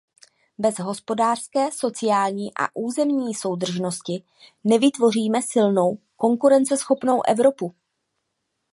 Bez hospodářské, sociální a územní soudržnosti nevytvoříme silnou, konkurenceschopnou Evropu.